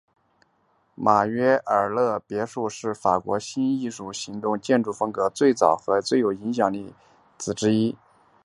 马约尔勒别墅是法国新艺术运动建筑风格最早和最有影响力的例子之一。